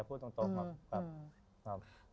พูดตรงครับ